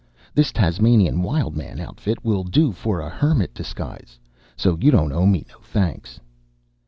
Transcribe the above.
This Tasmanian Wild Man outfit will do for a hermit disguise. So you don't owe me no thanks."